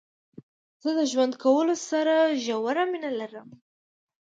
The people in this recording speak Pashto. زه د ژوند کولو سره ژوره مينه لرم.